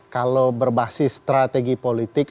kalau berbasis strategi politik